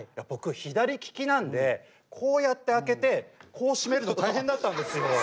僕左利きなんでこうやって開けてこう閉めるの大変だったんですよ。